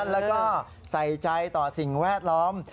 แล้วก็ใส่ใจต่อสิ่งแวดล้อม